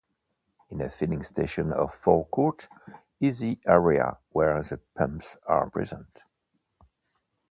In a filling station a forecourt is the area where the pumps are present.